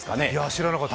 知らなかった。